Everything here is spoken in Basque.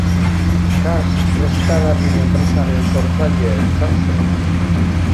Kas freskagarri enpresaren sortzailea izan zen.